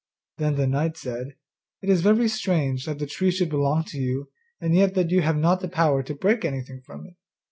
Then the knight said, 'It is very strange that the tree should belong to you, and yet that you have not the power to break anything from it!